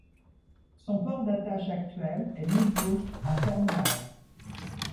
Son port d'attache actuel est Millbrook en Cornouailles.